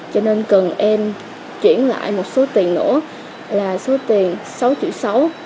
cho nên cần em chuyển lại một số tiền nữa là số tiền sáu triệu sáu